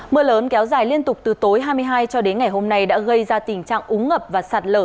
mưa lớn kéo dài liên tục từ tối hai mươi hai cho đến ngày hôm nay đã gây ra tình trạng úng ngập và sạt lở